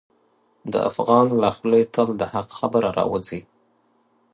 د افغان له خولې تل د حق خبره راوځي.